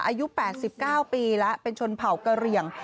อายุ๘๙ปีแล้วเป็นชนเผ่ากระเหลี่ยง